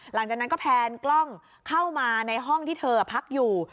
หลังจากนั้นก็แพนกล้องเข้ามาในห้องที่เธอพักอยู่